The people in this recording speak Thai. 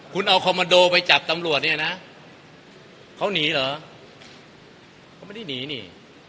คุณเอาคอมมันโดไปจับตำรวจเนี่ยนะเขาหนีเหรอเขาไม่ได้หนีนี่